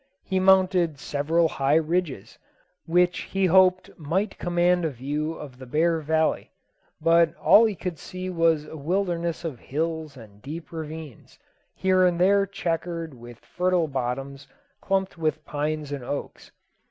He mounted several high ridges, which he hoped might command a view of the Bear Valley; but all he could see was a wilderness of hills and deep ravines, here and there chequered with fertile bottoms clumped with pines and oaks.